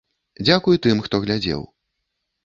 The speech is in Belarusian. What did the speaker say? Дзякуй тым, хто глядзеў.